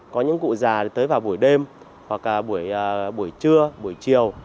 có những cụ già tới vào buổi đêm hoặc là buổi trưa buổi chiều